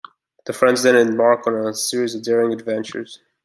The friends then embark on a series of daring adventures.